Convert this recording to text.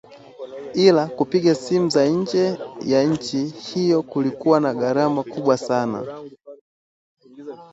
Ila, kupiga simu za nje ya nchi hiyo kulikuwa na gharama kubwa sana